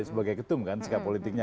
sebagai ketum kan sikap politiknya